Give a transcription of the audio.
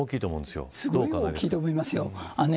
すごい大きいと思いますよ。